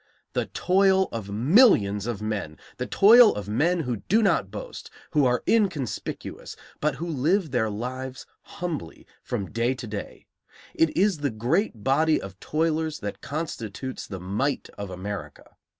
The toil of millions of men, the toil of men who do not boast, who are inconspicuous, but who live their lives humbly from day to day; it is the great body of toilers that constitutes the might of America.